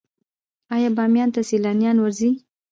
آیا بامیان ته سیلانیان ورځي؟